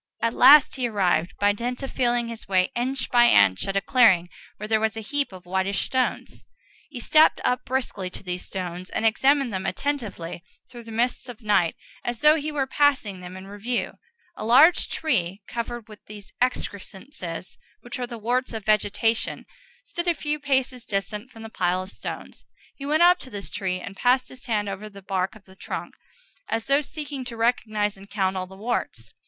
At last he arrived, by dint of feeling his way inch by inch, at a clearing where there was a great heap of whitish stones. He stepped up briskly to these stones, and examined them attentively through the mists of night, as though he were passing them in review. A large tree, covered with those excrescences which are the warts of vegetation, stood a few paces distant from the pile of stones. He went up to this tree and passed his hand over the bark of the trunk, as though seeking to recognize and count all the warts.